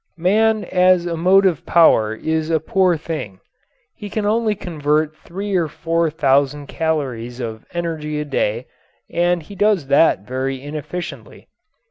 Man as a motive power is a poor thing. He can only convert three or four thousand calories of energy a day and he does that very inefficiently.